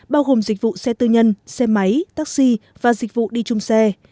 bao gồm dịch vụ xe tư nhân xe máy taxi và dịch vụ đi chung xe